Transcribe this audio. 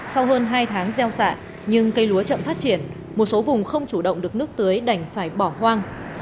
sau hơn hai tháng gieo xạ nhưng cây lúa chậm phát triển một số vùng không chủ động được nước tưới đành phải bỏ hoang